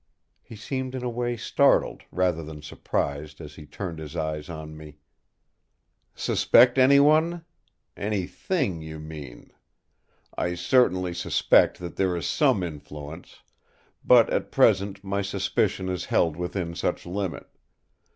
He seemed in a way startled rather than surprised as he turned his eyes on me: "Suspect anyone? Any thing, you mean. I certainly suspect that there is some influence; but at present my suspicion is held within such limit.